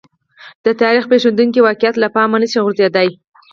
د تاریخ پېښېدونکي واقعات له پامه نه شي غورځېدای.